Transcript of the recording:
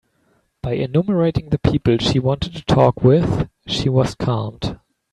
By enumerating the people she wanted to talk with, she was calmed.